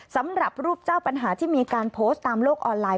สำหรับรูปเจ้าปัญหาที่มีการโพสต์ตามโลกออนไลน